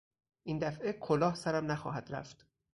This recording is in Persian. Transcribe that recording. این دفعه کلاه سرم نخواهد رفت.